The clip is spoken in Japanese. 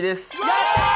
やったー！